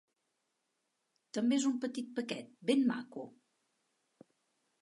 També és un petit paquet ben maco.